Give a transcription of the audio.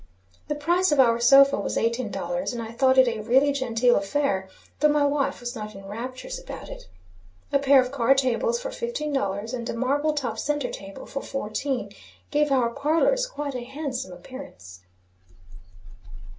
The price of our sofa was eighteen dollars, and I thought it a really genteel affair, though my wife was not in raptures about it. A pair of card tables for fifteen dollars, and a marble top centre table for fourteen, gave our parlors quite a handsome appearance.